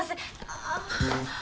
ああ。